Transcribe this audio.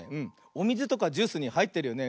おみずとかジュースにはいってるよね。